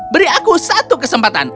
beri aku satu kesempatan